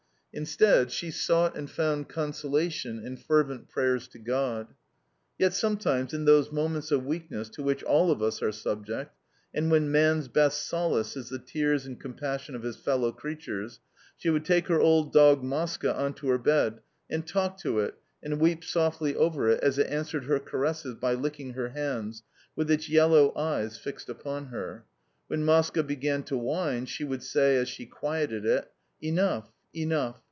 Instead, she sought and found consolation in fervent prayers to God. Yet sometimes, in those moments of weakness to which all of us are subject, and when man's best solace is the tears and compassion of his fellow creatures, she would take her old dog Moska on to her bed, and talk to it, and weep softly over it as it answered her caresses by licking her hands, with its yellow eyes fixed upon her. When Moska began to whine she would say as she quieted it: "Enough, enough!